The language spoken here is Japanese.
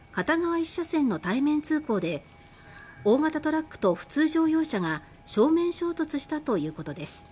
１車線の対面通行で大型トラックと普通乗用車が正面衝突したということです。